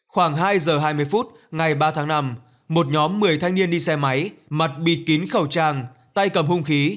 khoảng hai giờ hai mươi phút ngày ba tháng năm một nhóm một mươi thanh niên đi xe máy mặt bịt kín khẩu trang tay cầm hung khí